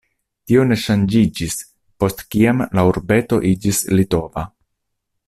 Tio ne ŝanĝiĝis, post kiam la urbeto iĝis litova.